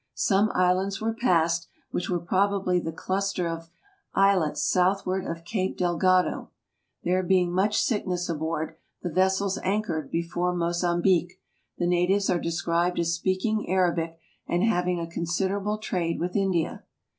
Some islands were passed, which were probably the cluster of islets southward of Cape Del gado. There being much sickness aboard, the vessels anchored before Mozambique; the natives are described as speaking Arabic and having a considerable trade with India.